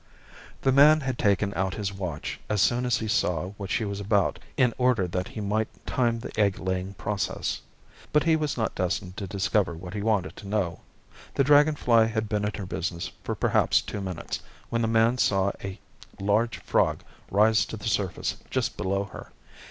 The man had taken out his watch as soon as he saw what she was about, in order that he might time the egg laying process. But he was not destined to discover what he wanted to know. The dragon fly had been at her business for perhaps two minutes, when the man saw a large frog rise to the surface just below her.